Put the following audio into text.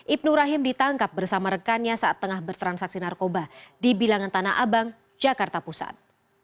ibnur rahim ditangkap bersama rekannya saat tengah bertransaksi narkoba di bilangan tanah abang jakarta pusat